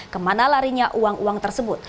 kemana larinya uang uang tersebut